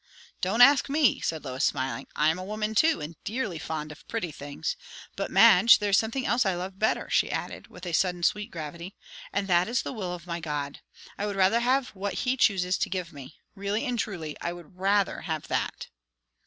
"Don't ask me," said Lois, smiling. "I am a woman too, and dearly fond of pretty things. But, Madge, there is something else I love better," she added, with a sudden sweet gravity; "and that is, the will of my God. I would rather have what he chooses to give me. Really and truly; I would rather have that."